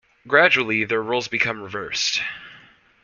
Gradually their roles become reversed.